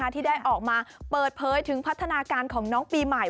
ที่ได้ออกมาเปิดเผยถึงพัฒนาการของน้องปีใหม่